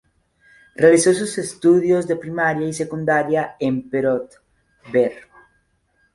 Realizó sus estudios de primaria y secundaria en Perote, Ver.